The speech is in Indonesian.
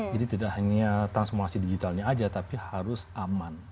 jadi tidak hanya transformasi digitalnya saja tapi harus aman